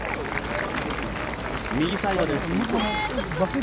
右サイドです。